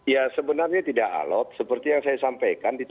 ya sebenarnya tidak alot seperti yang saya sampaikan